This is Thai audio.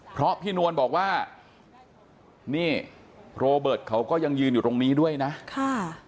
เพราะพี่นวลบอกว่านี่โรเบิร์ตเขาก็ยังยืนอยู่ตรงนี้ด้วยนะค่ะ